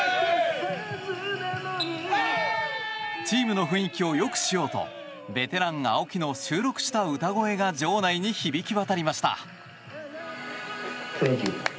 チームの雰囲気をよくしようとベテラン、青木の収録した歌声が場内に響き渡りました。